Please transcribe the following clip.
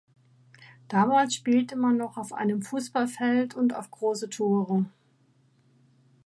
Damals spielte man noch auf einem Fußballfeld und auf große Tore.